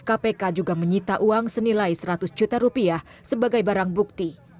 kpk juga menyita uang senilai seratus juta rupiah sebagai barang bukti